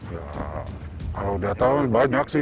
ya kalau data banyak sih